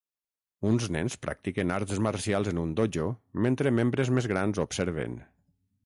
Uns nens practiquen arts marcials en un dojo mentre membres més grans observen.